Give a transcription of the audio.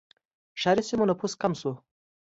ښاري سیمو نفوس کم شو.